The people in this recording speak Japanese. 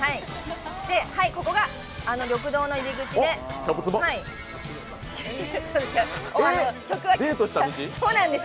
ここが、緑道の入り口で。